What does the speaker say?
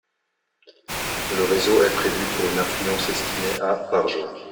Le réseau est prévu pour une affluence estimée à par jour.